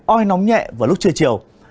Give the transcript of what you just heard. oi nóng nhẹ vào lúc trưa chiều